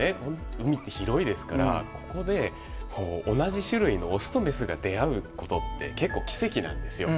海って広いですからここで同じ種類のオスとメスが出会うことって結構奇跡なんですよ。